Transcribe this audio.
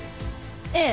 ええ。